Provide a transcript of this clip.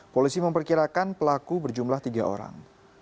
polisi memperkirakan pelaku berjumlah tiga orang